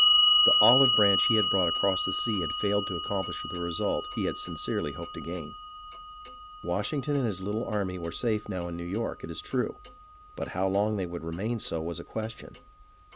The " olive branch " he had brought across the sea had failed to accomplish the result he had sincerely hoped to gain. Washington and his little army were safe now in New York, it is true, but how long they would remain so was a question.